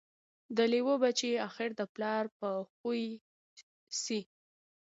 د لېوه بچی آخر د پلار په خوی سي